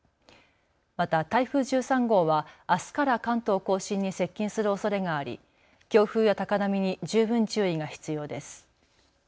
また台風１３号はあすから関東甲信に接近するおそれがあり、強風や高波に十分注意が必要です。